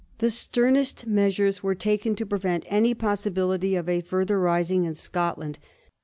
The sternest measures were taken to prevent any possibility of a further rising in Scotland.